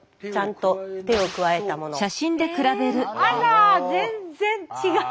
あら全然違う。